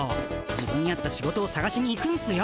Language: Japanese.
自分に合った仕事をさがしに行くんすよ。